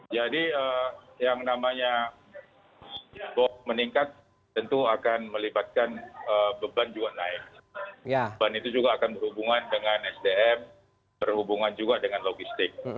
jadi yang namanya bau meningkat tentu akan melibatkan beban juga naik beban itu juga akan berhubungan dengan sdm berhubungan juga dengan logistik